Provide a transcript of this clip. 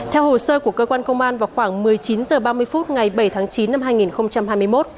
theo hồ sơ của cơ quan công an vào khoảng một mươi chín h ba mươi phút ngày bảy tháng chín năm hai nghìn hai mươi một